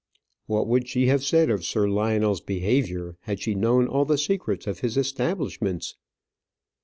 What would she have said of Sir Lionel's behaviour had she known all the secrets of his establishments?